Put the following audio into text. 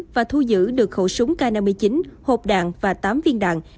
và thu giữ được khẩu súng k năm mươi chín hộp đạn và tám viên đạn